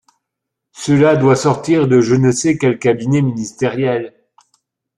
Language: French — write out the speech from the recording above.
Cela doit sortir de je ne sais quel cabinet ministériel.